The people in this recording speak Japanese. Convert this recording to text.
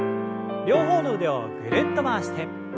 両方の腕をぐるっと回して。